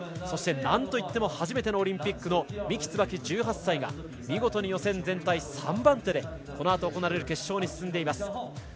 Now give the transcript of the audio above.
そして、なんといっても初めてのオリンピックの三木つばき、１８歳が見事に予選全体３番手でこのあと、行われる決勝に進んでいます。